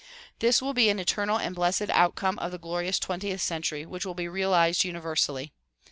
This will be an eternal and blessed outcome of the glorious twentieth century which will be realized universally.